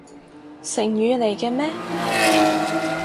成語嚟嘅咩？